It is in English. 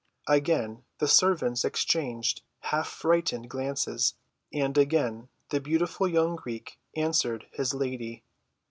Again the servants exchanged half‐frightened glances, and again the beautiful young Greek answered his lady.